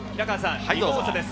２号車です。